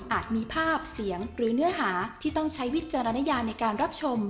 มีภาพเสียงหรือเนื้อหาที่ต้องใช้วิจารณญาในการรับชม